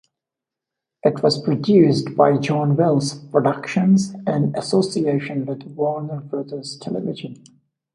It was produced by John Wells Productions, in association with Warner Brothers Television.